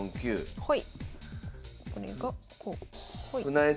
はい。